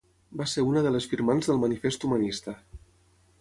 Va ser una de les firmants del Manifest humanista.